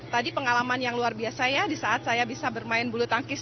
tadi pengalaman yang luar biasa ya di saat saya bisa bermain bulu tangkis